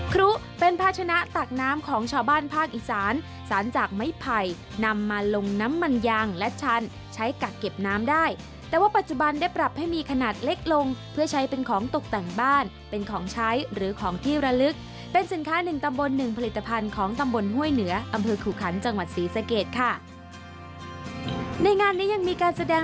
ครุเป็นภาชนะตักน้ำของชาวบ้านภาคอีสานสารจากไม้ไผ่นำมาลงน้ำมันยางและชันใช้กักเก็บน้ำได้แต่ว่าปัจจุบันได้ปรับให้มีขนาดเล็กลงเพื่อใช้เป็นของตกแต่งบ้านเป็นของใช้หรือของที่ระลึกเป็นสินค้าหนึ่งตำบลหนึ่งผลิตภัณฑ์ของตำบลห้วยเหนืออำเภอขู่ขันจังหวัดศรีสะเกดค่ะในงานนี้ยังมีการแสดง